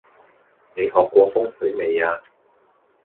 你學過風水未呀？